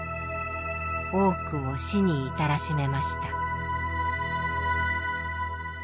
多くを死に至らしめました。